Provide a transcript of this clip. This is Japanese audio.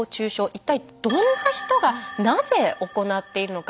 一体どんな人がなぜ行っているのか。